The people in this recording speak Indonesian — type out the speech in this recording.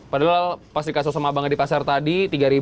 padahal pas dikasuh sama abangnya di pasar tadi tiga ribu